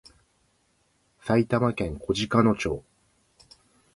埼玉県小鹿野町